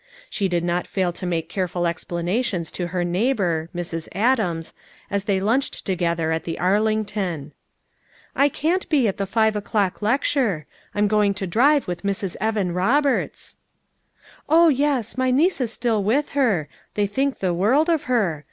She did not fail to make careful explanations to her neighbor, Mrs. Adams, as they lunched together at the Arlington. 37S FOUR MOT11KKS AT CHAUTAUQUA "I can't be at the live o'clock lecture; I'm going to drive with Mrs. Evan Roberts." "Oh, yes, my niece is still with her; they think the world of her.